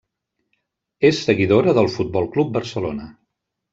És seguidora del Futbol Club Barcelona.